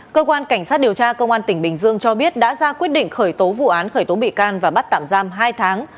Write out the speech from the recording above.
cơ quan cảnh sát điều tra công an tỉnh bình dương cho biết đã ra quyết định khởi tố vụ án khởi tố bị can và bắt tạm giam hai tháng